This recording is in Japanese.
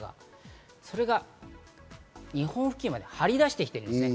それが日本付近まで張り出してきているんですね。